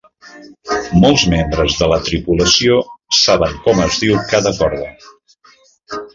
Molts membres de la tripulació saben com es diu cada corda.